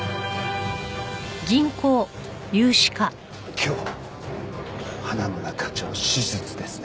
今日花村課長手術ですね。